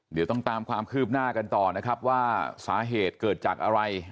เดี๋ยวต้องตามความคืบหน้ากันต่อนะครับว่าสาเหตุเกิดจากอะไร